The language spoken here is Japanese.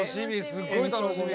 すごい楽しみ。